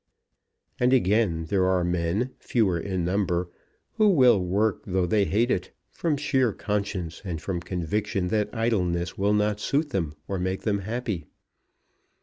And again there are men, fewer in number, who will work though they hate it, from sheer conscience and from conviction that idleness will not suit them or make them happy.